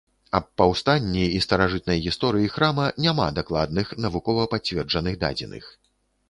Аб паўстанні і старажытнай гісторыі храма няма дакладных, навукова пацверджаных дадзеных.